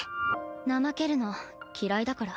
怠けるの嫌いだから。